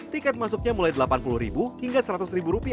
tiket masuknya mulai rp delapan puluh hingga rp seratus